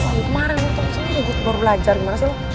cuman kemarin lu tau sih lu baru belajar gimana sih lu